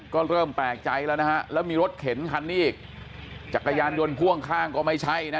ก็เริ่มแปลกใจแล้วนะฮะแล้วมีรถเข็นคันนี้อีกจักรยานยนต์พ่วงข้างก็ไม่ใช่นะ